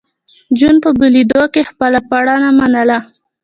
جون په بېلېدو کې خپله پړه نه منله